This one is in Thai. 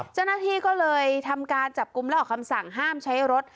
เจ้าหน้าที่ก็เลยทำการจับกลุ่มและออกคำสั่งห้ามใช้รถ